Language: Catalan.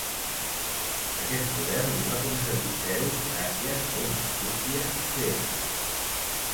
Aquest poder li va concedir Zeus gràcies a una astúcia d'Hera.